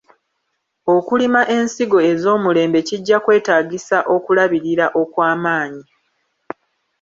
Okulima ensigo ez'omulembe kijja kwetaagisa okulabirira okw’amaanyi.